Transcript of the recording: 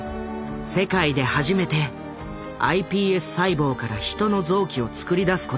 世界で初めてｉＰＳ細胞からヒトの臓器をつくりだすことに成功した。